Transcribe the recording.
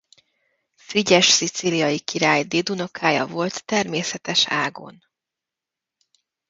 Frigyes szicíliai király dédunokája volt természetes ágon.